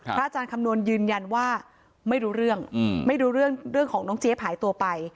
อาจารย์คำนวณยืนยันว่าไม่รู้เรื่องไม่รู้เรื่องของน้องเจี๊ยบหายตัวไป